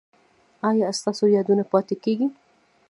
ایا ستاسو یادونه پاتې کیږي؟